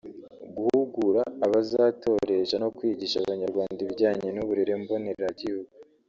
guhugura abazatoresha no kwigisha abanyarwanda ibijyanye n’uburere mboneragihugu